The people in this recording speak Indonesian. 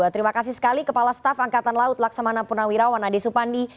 terima kasih sekali kepala staf angkatan laut laksamana purnawirawan ade supandi